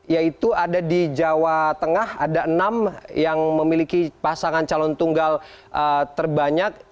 yaitu ada di jawa tengah ada enam yang memiliki pasangan calon tunggal terbanyak